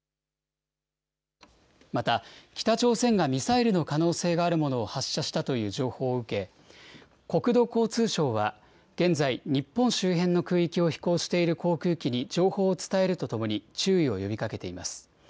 また、北朝鮮がミサイルの可能性があるものを発射したという情報を受け、国土交通省は現在、日本周辺の空域を飛行している航空機に、情報を伝えるとともに、注意を呼びかけています。